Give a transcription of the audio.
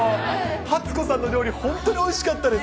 初子さんの料理、本当においしかったです。